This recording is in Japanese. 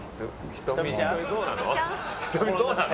瞳そうなの？